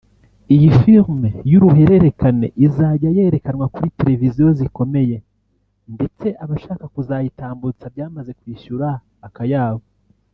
Iyi film y’uruhererekane izajya yerekanwa kuri Televiziyo zikomeye ndetse abashaka kuzayitambutsa byamaze kwishyura akayabo